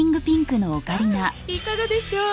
さあいかがでしょう？